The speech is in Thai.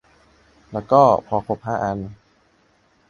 อังเคิลโรเจอร์เป็นนักวิทยาศาสตร์ข้อมูลปลอมตัวมา